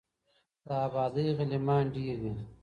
د آبادۍ غلیمان ډیر دي